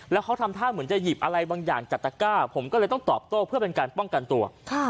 แล้วเขาทำท่าเหมือนจะหยิบอะไรบางอย่างจากตะก้าผมก็เลยต้องตอบโต้เพื่อเป็นการป้องกันตัว